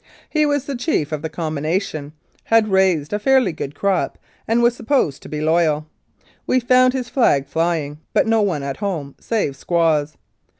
He was the chief of the combination, had raised a fairly good crop, and was supposed to be loyal. We found his flag flying, but no one at home save squaws.